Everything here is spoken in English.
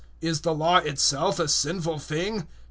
Is the Law itself a sinful thing?